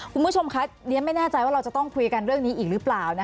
คุณผู้ชมคะเรียนไม่แน่ใจว่าเราจะต้องคุยกันเรื่องนี้อีกหรือเปล่า